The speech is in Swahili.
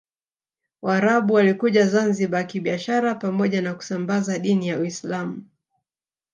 Waarabu walikuja Zanzibar kibiashara pamoja na kusambaza dini ya Uislamu